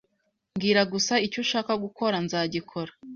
Mbwira gusa icyo ushaka gukora nzagikora